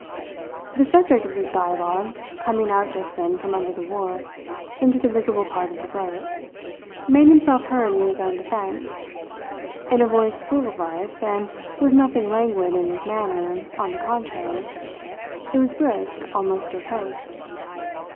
The subject of this dialogue, coming out just then from under the wharf into the visible part of the boat, made himself heard in his own defence, in a voice full of life, and with nothing languid in his manner on the contrary, it was brisk, almost jocose.